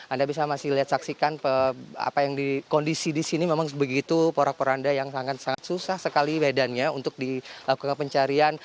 anda bisa masih lihat saksikan apa yang di kondisi di sini memang begitu porak poranda yang sangat sangat susah sekali medannya untuk dilakukan pencarian